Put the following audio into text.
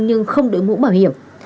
nhưng không đổi mũ bảo hiểm